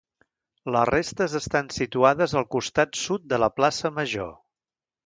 Les restes estan situades al costat sud de la plaça Major.